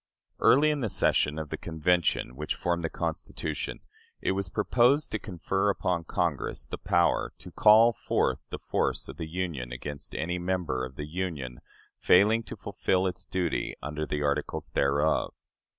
Early in the session of the Convention which formed the Constitution, it was proposed to confer upon Congress the power "to call forth the force of the Union against any member of the Union failing to fulfill its duty under the articles thereof."